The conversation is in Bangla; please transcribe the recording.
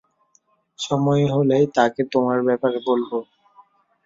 সময় হলেই তাকে তোমার ব্যাপারে বলবো।